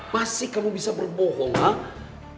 masih kamu bisa berbohong hah